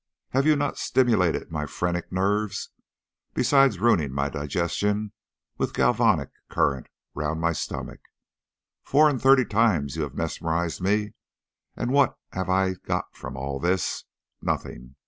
Have you not stimulated my phrenic nerves, besides ruining my digestion with a galvanic current round my stomach? Four and thirty times you have mesmerised me, and what have I got from all this? Nothing.